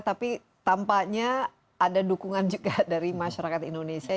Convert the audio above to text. tapi tampaknya ada dukungan juga dari masyarakat indonesia